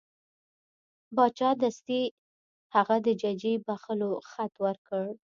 باچا دستي هغه د ججې بخښلو خط ورکړ.